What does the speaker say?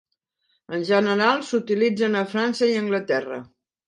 En general s'utilitzen a França i Anglaterra.